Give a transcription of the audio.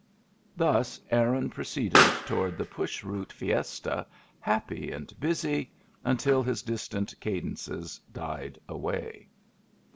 Thus Aaron proceeded toward the Push Root fiesta^ happy and busy, until his dis tant cadences died away.